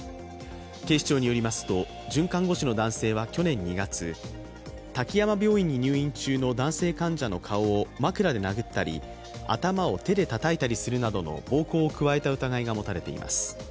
警視庁によりますと准看護師の男性は去年２月、滝山病院に入院中の男性患者の顔を枕で殴ったり頭を手でたたいたりするなどの暴行を加えた疑いが持たれています。